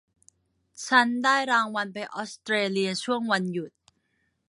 ฉันได้รางวัลไปออสเตรเลียช่วงวันหยุด